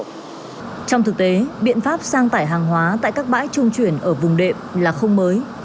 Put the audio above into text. trong thực tế biện pháp sang tải hàng hóa tại các bãi trung chuyển ở vùng đệm là không mới